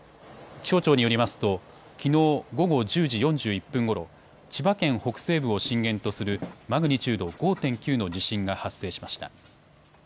気象庁によりますときのう午後１０時４１分ごろ、千葉県北西部を震源とするマグニチュード５．９の地震が発生しました。